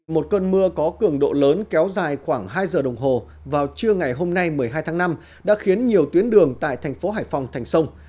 một cơn mưa có cường độ lớn kéo dài khoảng hai giờ đồng hồ vào trưa ngày hôm nay một mươi hai tháng năm đã khiến nhiều tuyến đường tại thành phố hải phòng thành sông